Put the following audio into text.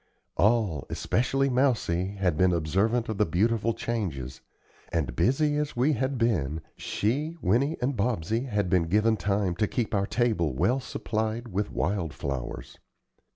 All, especially Mousie, had been observant of the beautiful changes, and, busy as we had been, she, Winnie and Bobsey had been given time to keep our table well supplied with wildflowers.